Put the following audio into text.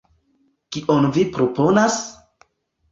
Kion vi proponas?